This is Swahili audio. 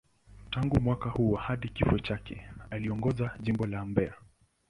Tangu mwaka huo hadi kifo chake, aliongoza Jimbo la Mbeya.